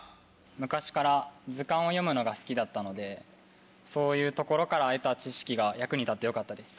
昔から図鑑を読むのが好きだったのでそういうところから得た知識が役に立ってよかったです。